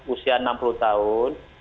usia enam puluh tahun